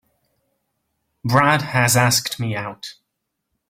Brad has asked me out.